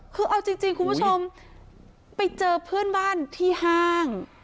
คือเอาจริงคุณผู้ชมไปเจอเพื่อนบ้านที่ห้าง